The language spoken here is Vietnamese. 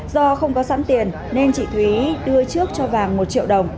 do không có sẵn tiền nên chị thúy đưa trước cho vàng một triệu đồng